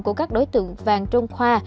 của các đối tượng vàng trung khoa